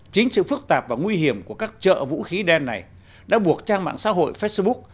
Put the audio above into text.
chính sự phức tạp và nguy hiểm của các chợ vũ khí đen này đã buộc trang mạng xã hội facebook